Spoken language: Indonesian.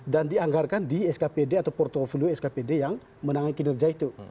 dan dianggarkan di skpd atau portofolio skpd yang menangani kinerja itu